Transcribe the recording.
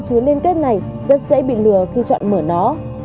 chứa liên kết này rất dễ bị lừa khi chọn mở nó